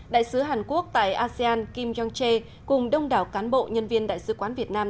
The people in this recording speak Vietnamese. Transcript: đại sứ hàn quốc tại asean kim jong che cùng đông đảo cán bộ nhân viên đại sứ quán việt nam